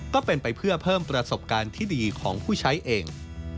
ก็เป็นไปเพื่อเพิ่มประสบการณ์ที่ดีของผู้ใช้เอง